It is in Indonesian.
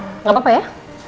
nggak apa apa ya